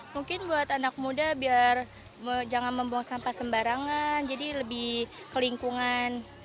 mungkin buat anak muda biar jangan membuang sampah sembarangan jadi lebih ke lingkungan